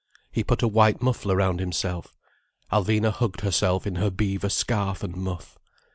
He put a white muffler round himself, Alvina hugged herself in her beaver scarf and muff.